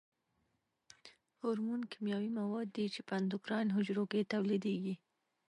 هورمون کیمیاوي مواد دي چې په اندوکراین حجرو کې تولیدیږي.